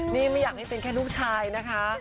นี่ไม่อยากให้เป็นแค่ลูกชายนะคะ